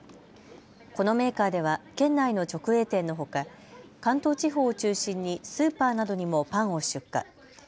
このメーカーでは県内の直営店のほか関東地方を中心にスーパーなどにもパンを出荷。